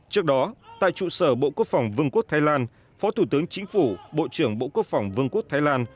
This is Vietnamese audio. trước đó tại trụ sở bộ quốc phòng vương quốc thái lan phó thủ tướng chính phủ bộ trưởng bộ quốc phòng vương quốc thái lan